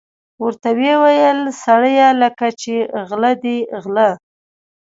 ورته ویې ویل: سړیه لکه چې غله دي غله.